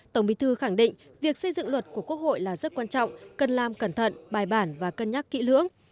tổng bí thư khẳng định việc xây dựng luật của quốc hội là rất quan trọng cần làm cẩn thận bài bản và cân nhắc kỹ lưỡng